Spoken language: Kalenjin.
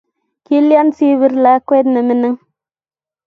Kilyan siibir lakwa ne mining?